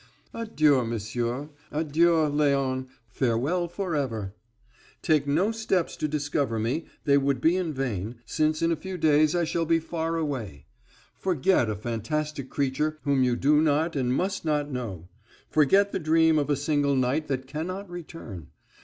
"Adieu, monsieur, adieu, Léon; farewell forever! Take no steps to discover me; they would be in vain, since in a few days I shall be far away. Forget a fantastic creature whom you do not and must not know; forget the dream of a single night that cannot return.